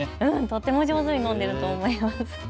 とても上手に飲んでいると思います。